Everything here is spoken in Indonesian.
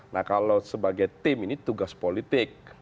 nah kalau sebagai tim ini tugas politik